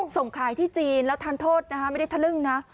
ส่งขายที่จีนแล้วทานโทษนะฮะไม่ได้ทะลึ่งนะ